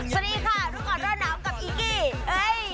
สวัสดีค่ะรุ่นก่อนร่านน้ำกับอีกกี้